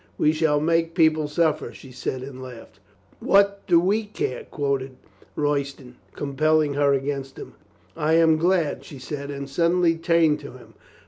We shall make people suffer," she said and laughed. "What do we care?" quoth Royston, compelling her against him. "I am glad," she said, and suddenly turned to him.